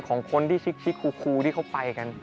ของคนที่ชิกครูที่เขาไปกัน